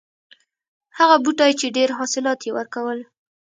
هغه بوټی چې ډېر حاصلات یې ورکول.